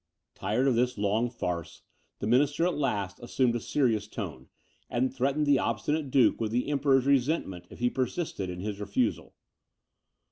Tired of this long farce, the minister at last assumed a serious tone, and threatened the obstinate duke with the Emperor's resentment, if he persisted in his refusal.